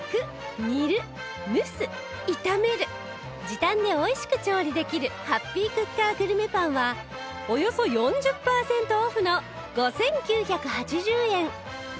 時短で美味しく調理できるハッピークッカーグルメパンはおよそ４０パーセントオフの５９８０円